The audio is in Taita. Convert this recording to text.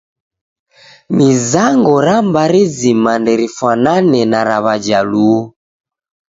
Mizango ra mbari zima nderifwanane na ra Wajaluo.